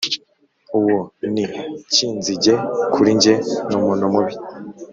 Uwo ni nkinzige kuri njye numuntu mubi